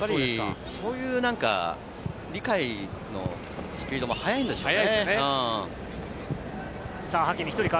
そういう理解のスピードも速いんでしょうね。